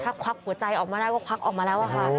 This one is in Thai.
ถ้าควักหัวใจออกมาได้ก็ควักออกมาแล้วค่ะ